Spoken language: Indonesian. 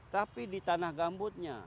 tapi di tanah gambutnya